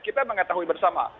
kita mengetahui bersama